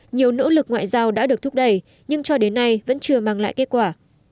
nhiều nỗ lực ngoại giao đã được thúc đẩy nhưng cho đến nay vẫn chưa mang lại kết quả